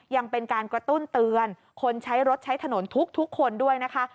ยังเป็นการกระตุ้นเตือนคนใช้รถใช้ถนนทุกคนด้วยนะคะ